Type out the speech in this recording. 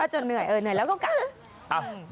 ก็จะเหนื่อยเออเหนื่อยแล้วก็กลับ